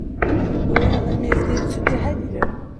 ВегӀла мез дирцути хӀедирар.